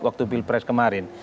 waktu pilpres kemarin